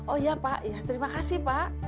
oh iya pak ya terima kasih pak